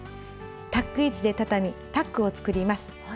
タック位置でたたみタックを作ります。